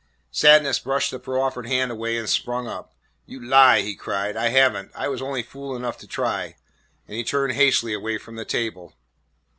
Sadness brushed the proffered hand away and sprung up. "You lie," he cried, "I have n't; I was only fool enough to try;" and he turned hastily away from the table.